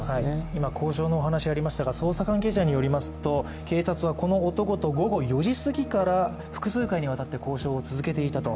今、交渉のお話がありました、捜査関係者によりますと、警察はこの男と午後４時すぎから複数回にわたって交渉を続けていたと。